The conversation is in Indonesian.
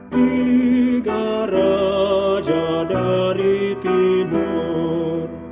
tiga raja dari timur